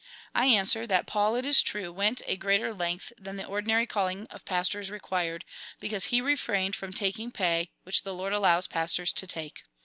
'' I answer, that Paul, it is true, went a greater length than the ordinary calling of pastors required, because he refrained from taking pay, which the Lord allows pastors to take.